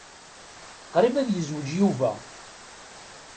Qṛib ad yezweǧ Yuba.